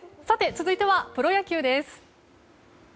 続いてはプロ野球です。